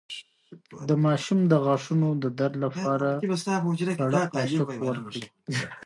د ماشوم د غاښونو د درد لپاره سړه قاشق ورکړئ